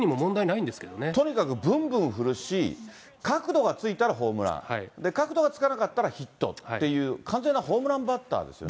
とにかくぶんぶん振るし、角度がついたらホームラン、角度がつかなかったらヒットっていう、完全なホームランバッターですよね。